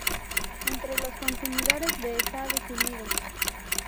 Entre los consumidores de Estados Unidos.